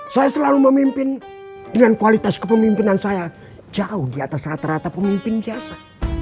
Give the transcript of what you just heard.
saya selalu memimpin dengan kualitas kepemimpinan saya jauh di atas rata rata pemimpin biasa